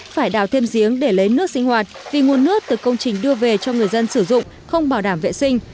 phải đào thêm giếng để lấy nước sinh hoạt vì nguồn nước từ công trình đưa về cho người dân sử dụng không bảo đảm vệ sinh